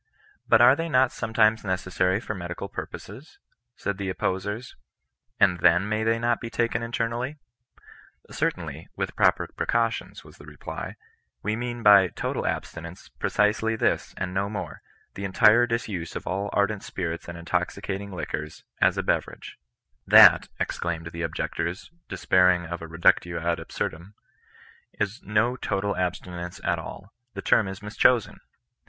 " But are they not sometimes necessary for medical purposes^" said the opposers, " and then may they not be taken in ternally V " Certainly, with proper precautions," was the reply ;" we mean by total abstinence, precisely this and no more, — the entire disuse of all ardent spirits and intoxicating liquors, a* a beverage^^ " That, ' ex claimed the objectors (despairing of a reductioadahsur durri), " is no total abstinence at aU; the term is mis chosen